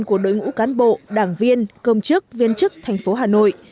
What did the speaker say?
của đội ngũ cán bộ đảng viên công chức viên chức thành phố hà nội